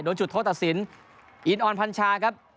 โดยจุดโทษตัดสินอินออนพันชาครับ